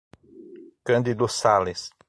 Cândido Sales